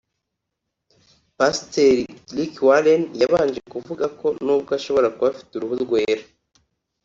Pasiteri Rick Warren yabanje kuvuga ko nubwo ashobora kuba afite uruhu rwera